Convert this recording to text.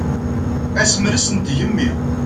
Asemres n tgemmi.